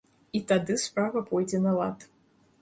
І тады справа пойдзе на лад.